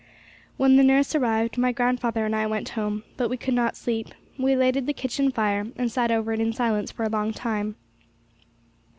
When the nurse arrived, my grandfather and I went home But we could not sleep; we lighted the kitchen fire, and sat over it in silence for a long time.